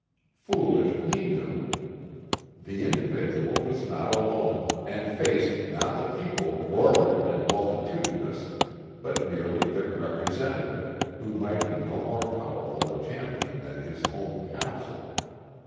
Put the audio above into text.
Foolish, he knew: the individual was not alone, and faced not the People roaring and multitudinous but merely their representative, who might be no more powerful a champion than his own counsel.